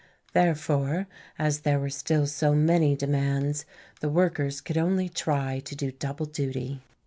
Therefore, as there were still so many demands, the workers could only try to do double duty.